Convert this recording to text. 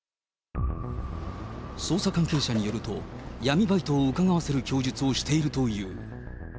捜査関係者によると、闇バイトをうかがわせる供述をしているという。